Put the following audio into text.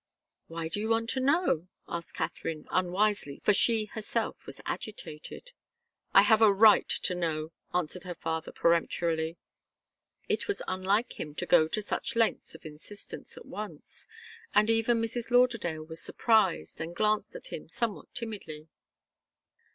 "Why do you want to know?" asked Katharine, unwisely, for she herself was agitated. "I have a right to know," answered her father, peremptorily. It was unlike him to go to such lengths of insistence at once, and even Mrs. Lauderdale was surprised, and glanced at him somewhat timidly.